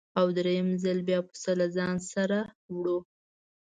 او درېیم ځل بیا پسه له ځانه سره وړو.